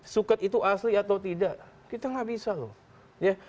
suket itu asli atau tidak kita nggak bisa loh